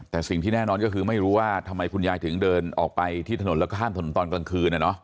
แต่สิ่งที่แน่นอนก็คือไม่รู้ว่าทำไมคุณยายถึงเดินออกไปที่ถนนแล้วก็ข้ามถนนตอนกลางคืน